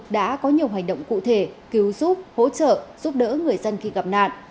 đã có nhiều hành động cụ thể cứu giúp hỗ trợ giúp đỡ người dân khi gặp nạn